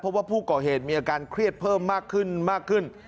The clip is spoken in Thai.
เพราะว่าผู้ก่อเหตุมีอาการเครียดเพิ่มมากขึ้นมากขึ้น